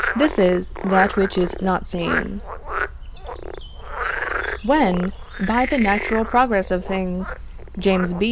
This is that which is not seen. When, by the natural progress of things, James B.